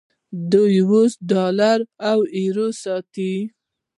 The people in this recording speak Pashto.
دوی اوس ډالر او یورو ساتي.